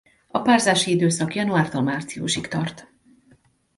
A párzási időszak januártól márciusig tart.